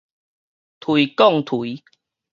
槌摃搥